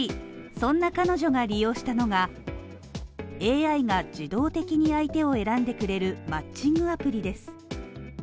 そんな彼女が利用したのが、ＡＩが自動的に相手を選んでくれるマッチングアプリです。